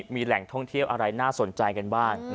มีแหล่งท่องเที่ยวอะไรน่าสนใจกันบ้าง